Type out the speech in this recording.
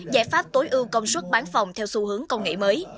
giải pháp tối ưu công suất bán phòng theo xu hướng công nghệ mới